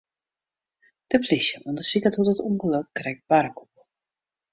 De plysje ûndersiket hoe't it ûngelok krekt barre koe.